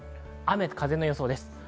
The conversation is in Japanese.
雨と風の予想です。